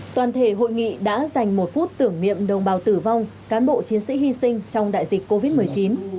toàn thể hội nghị đã dành một phút tưởng niệm đồng bào tử vong cán bộ chiến sĩ hy sinh trong đại dịch covid một mươi chín